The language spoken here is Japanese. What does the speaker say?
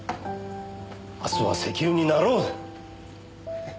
「明日は石油になろう」だ。